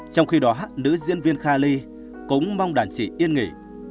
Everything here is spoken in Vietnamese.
trong khi đó nữ diễn viên khal ly cũng mong đàn chị yên nghỉ